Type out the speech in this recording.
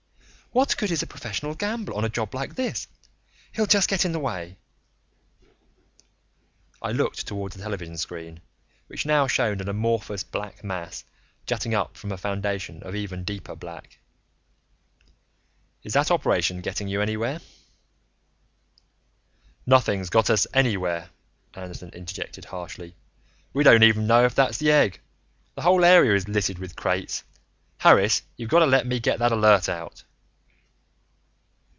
"What good is a professional gambler on a job like this? He'll just get in the way." I looked toward the television screen, which now showed an amorphous black mass, jutting up from a foundation of even deeper black. "Is that operation getting you anywhere?" "Nothing's gotten us anywhere," Anderton interjected harshly. "We don't even know if that's the egg the whole area is littered with crates. Harris, you've got to let me get that alert out!"